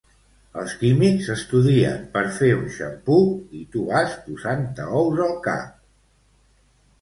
Els químics estudien per fer un xampú i tu vas posant-te ous al cap